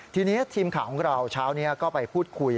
ทีนี้ทีมข่าวของเราเช้านี้ก็ไปพูดคุย